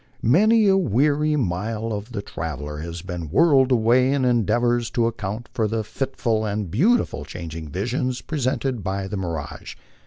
Many a weary mile of the traveller has been whiled away in endeavors to account for the fitful and beautifully changing visions presented by the mirage.